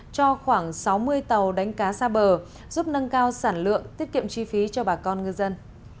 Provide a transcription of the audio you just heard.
cho khoảng sáu mươi tàu đánh cá xa bờ giúp nâng cao sản lượng tiết kiệm chi phí cho bà con ngư dân